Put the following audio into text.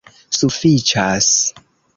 Sufiĉas!